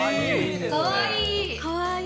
かわいい。